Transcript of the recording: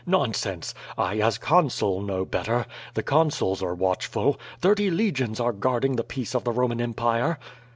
Nonsense. I as Con sul know better. The Consuls are watchful. Thirty legions are guarding the peace of the Roman Empire.''